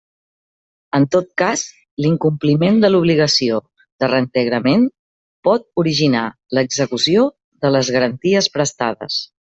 En tot cas, l'incompliment de l'obligació de reintegrament pot originar l'execució de les garanties prestades.